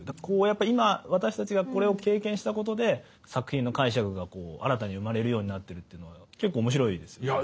こうやっぱ今私たちがこれを経験したことで作品の解釈が新たに生まれるようになってるっていうのは結構面白いですね。